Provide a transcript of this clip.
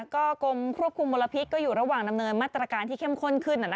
ก็กรมควบคุมมลพิษก็อยู่ระหว่างดำเนินมาตรการที่เข้มข้นขึ้น